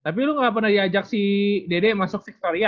tapi lo gak pernah diajak si dede masuk victoria